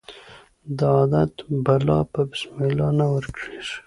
د عادت بلا په بسم الله نه ورکیږي.